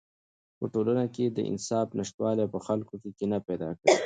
په ټولنه کې د انصاف نشتوالی په خلکو کې کینه پیدا کوي.